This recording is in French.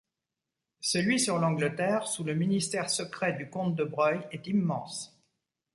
Celui sur l’Angleterre sous le ministère secret du comte de Broglie est immense.